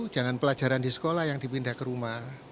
jangan pelajaran di sekolah yang dipindah ke rumah